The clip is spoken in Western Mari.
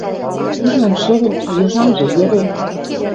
Южнам шӹдӹн, а южнамжы йӹрен